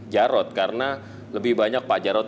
jarod karena lebih banyak pak jarod